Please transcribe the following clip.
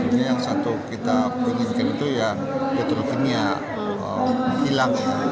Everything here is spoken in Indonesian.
jadi yang satu kita inginkan itu ya keturuninnya hilang ya